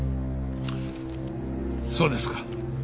そうですか。